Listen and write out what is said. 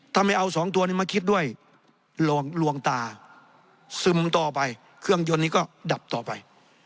ถ้าไม่เอาสองตัวนี้มาคิดด้วยลวงตาซึมต่อไปเครื่องยนต์นี้ก็ดับต่อไป